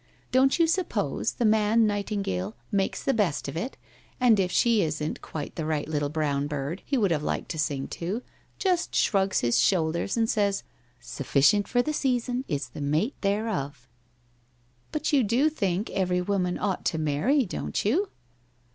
Don't you suppose the man nightingale makes the best of it, and if she isn't quite the right little brown bird he would have liked to sing to, just shrugs his shoulders and says, " Sufficient for the season is the mate thereof "?'' But you do think every woman ought to marry, don't you?'